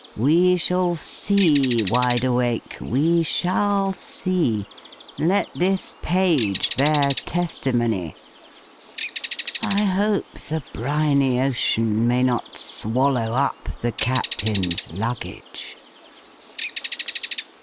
We shall see, Wideawake we shall see: let this page bear testimony! I hope the briny ocean may not swallow up the Captain's luggage."